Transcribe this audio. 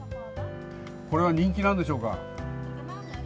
これは人気なんでしょうか。